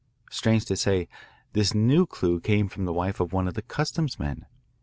Strange to say, this new clue came from the wife of one of the customs men.